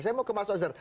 saya mau ke mas ozdar